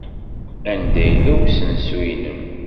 Anda yella usensu-nnem?